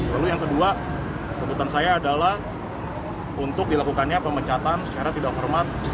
lalu yang kedua kebutuhan saya adalah untuk dilakukannya pemecatan secara tidak hormat